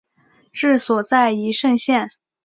治所在宜盛县。